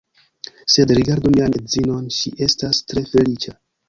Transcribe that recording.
Sed, rigardu mian edzinon, ŝi estas tre feliĉa.